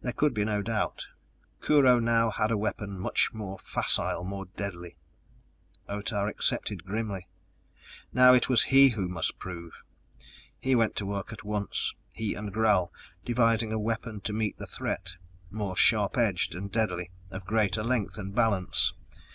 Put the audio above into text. There could be no doubt. Kurho now had a weapon much more facile, more deadly. Otah accepted grimly. Now it was he who must prove! He went to work at once, he and Gral, devising a weapon to meet the threat more sharp edged and deadly, of greater length and balance.